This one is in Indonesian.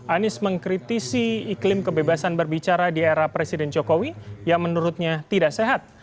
anies mengkritisi iklim kebebasan berbicara di era presiden jokowi yang menurutnya tidak sehat